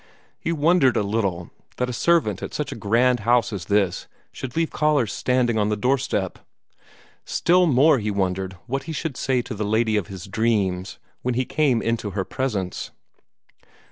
He wondered a little that a servant at such a grand house as this should leave callers standing on the doorstep. Still more he wondered what he should say to the lady of his dream when he came into her presence.